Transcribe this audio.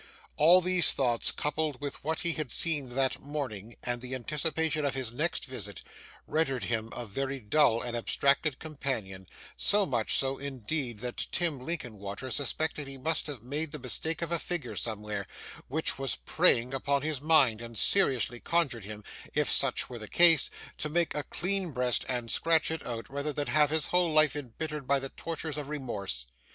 All these thoughts, coupled with what he had seen that morning and the anticipation of his next visit, rendered him a very dull and abstracted companion; so much so, indeed, that Tim Linkinwater suspected he must have made the mistake of a figure somewhere, which was preying upon his mind, and seriously conjured him, if such were the case, to make a clean breast and scratch it out, rather than have his whole life embittered by the tortures of remorse.